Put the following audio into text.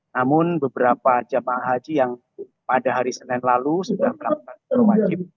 namun beberapa jemaah haji yang pada hari senin lalu sudah melakukan wajib